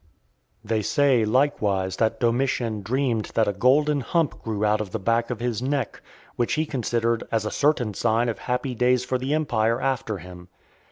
They say likewise that Domitian dreamed that a golden hump grew out of the back of his neck, which he considered as a certain sign of happy days for the empire after him.